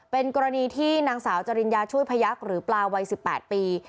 เป็นกรณีที่นางสาวจริญญาช่วยพยักษ์หรือปลาวัย๑๘ปี